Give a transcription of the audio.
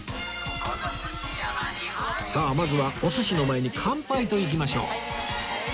さあまずはお寿司の前に乾杯といきましょう！